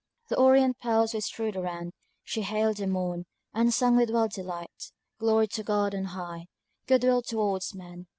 The orient pearls were strewed around she hailed the morn, and sung with wild delight, Glory to God on high, good will towards men.